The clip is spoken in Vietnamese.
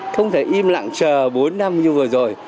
không thể im lặng chờ bốn năm như vừa rồi